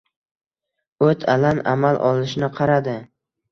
O’t-o‘lan amal olishini qaradi.